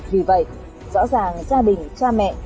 vì vậy rõ ràng gia đình cha mẹ